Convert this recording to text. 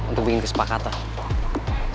untuk bikin kesepakatan